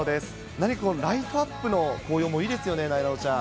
何か、ライトアップの紅葉もいいですよね、なえなのちゃん。